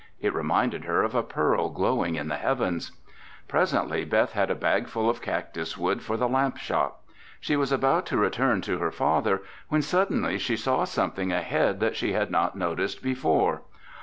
It reminded her of a pearl glowing in the heavens. Presently Beth had a bag full of cactus wood for the lamp shop. She was about to return to her father when suddenly she saw something ahead that she had not noticed before.